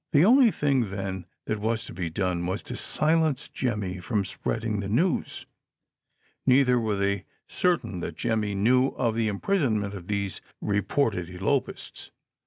Tlie only thing then that was to he done, was to silence Jemmy from spreading the news ; neither were they cer tain that Jemmy knew of the imprisonment of these re ported elopists.